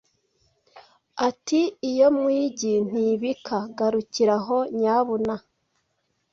Ati:iyo mu igi ntibika Garukira aho nyabuna!